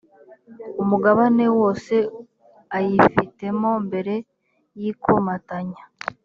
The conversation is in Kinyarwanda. umugabane wose ayifitemo mbere y ikomatanya